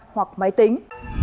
hoặc máy tính